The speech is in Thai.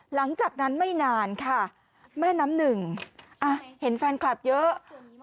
หลังจากนั้นไม่นานค่ะแม่น้ำหนึ่งเห็นแฟนคลับเยอะ